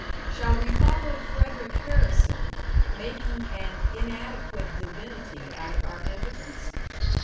Shall we follow Frederic Harrison, making an inadequate divinity out of our impotence?